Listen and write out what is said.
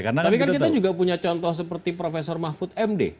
tapi kan kita juga punya contoh seperti profesor mahfud md